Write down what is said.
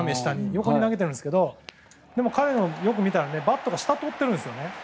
横に投げてるんですけどでもよく見たらバットが下を通ってるんです。